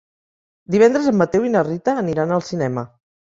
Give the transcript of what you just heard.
Divendres en Mateu i na Rita aniran al cinema.